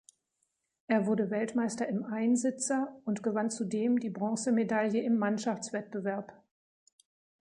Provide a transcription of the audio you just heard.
Er wurde Weltmeister im Einsitzer und gewann zudem die Bronzemedaille im Mannschaftswettbewerb.